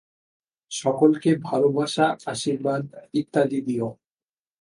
সকলকে ভালবাসা আশীর্বাদ ইত্যাদি দিও।